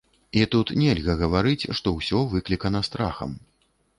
І тут нельга гаварыць, што ўсё выклікана страхам.